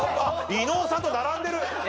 伊野尾さんと並んでる！